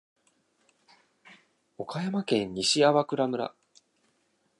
岡山県西粟倉村